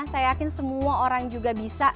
saya yakin semua orang juga bisa